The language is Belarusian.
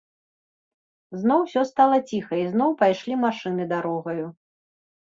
Зноў усё стала ціха, і зноў пайшлі машыны дарогаю.